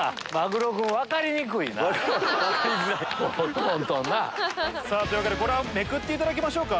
トントンな。というわけでこれはめくっていただきましょうか。